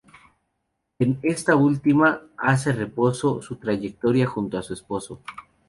En esta última hace un repaso de su trayectoria junto a su esposo.